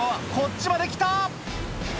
こっちまで来た！